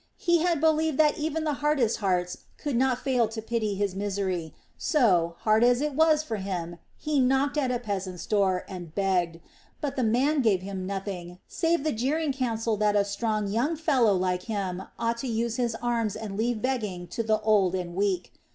He had believed that even the hardest hearts could not fail to pity his misery so, hard as it was for him, he had knocked at a peasant's door and begged. But the man gave him nothing save the jeering counsel that a strong young fellow like him ought to use his arms and leave begging to the old and weak.